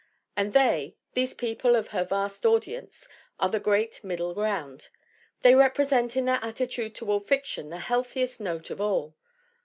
And they these people of her vast audience are the great middle ground. They represent in their attitude toward fiction the healthiest note of all.